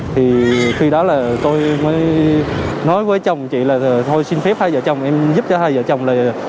thì khi đó là tôi mới nói với chồng của chị là thôi xin phép hai vợ chồng em giúp cho hai vợ chồng này